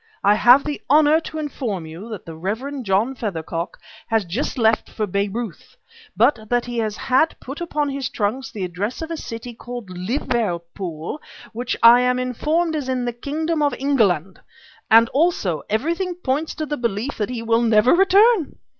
I have the honor to inform you that the Rev. John Feathercock has just left for Bayreuth, but that he has had put upon his trunks the address of a city called Liverpool, which, I am informed, is in the kingdom of England; and also, everything points to the belief that he will never return.